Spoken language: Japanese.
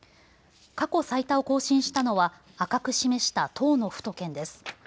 過去最多を更新したのは赤く示した１０の府と県です。